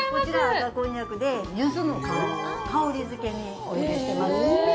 こちら赤こんにゃくでユズの皮を香り付けにお入れしてます。